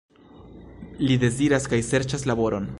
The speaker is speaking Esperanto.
Li deziras kaj serĉas laboron.